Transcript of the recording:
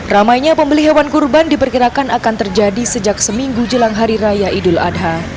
ramainya pembeli hewan kurban diperkirakan akan terjadi sejak seminggu jelang hari raya idul adha